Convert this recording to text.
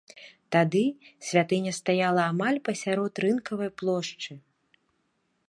Тады святыня стаяла амаль пасярод рынкавай плошчы.